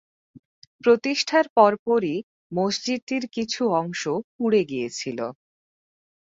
প্রতিষ্ঠার পরপরই মসজিদটির কিছু অংশ পুড়ে গিয়েছিল।